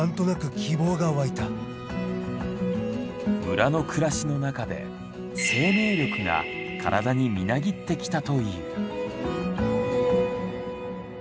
村の暮らしの中で生命力が体にみなぎってきたという。